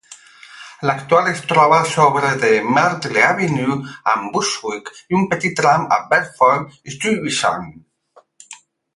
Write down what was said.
L'actual es troba sobre de Myrtle Avenue amb Bushwick i un petit tram a Bedford-Stuyvesant.